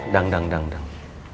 dang dang dang